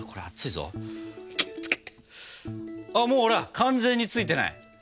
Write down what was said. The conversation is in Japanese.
あっもうほら完全についてない。